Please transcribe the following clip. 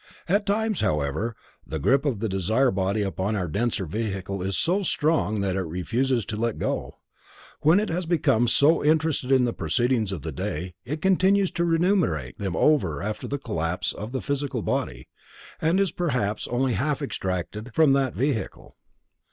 At times however, the grip of the desire body upon our denser vehicles is so strong that it refuses to let go. When it has become so interested in the proceedings of the day, it continues to ruminate over them after the collapse of the physical body, and is perhaps only half extracted from that vehicle.